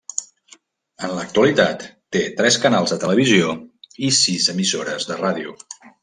En l'actualitat té tres canals de televisió i sis emissores de ràdio.